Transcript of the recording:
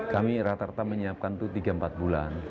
kami rata rata menyiapkan itu tiga empat bulan